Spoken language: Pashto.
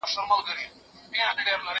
زه مخکي پوښتنه کړې وه؟!